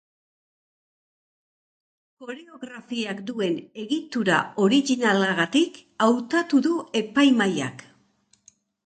Koreografiak duen egitura originalagatik hautatu du epaimahaiak.